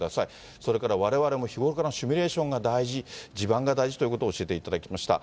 それからわれわれも日頃からのシミュレーションが大事、地盤が大事ということを教えていただきました。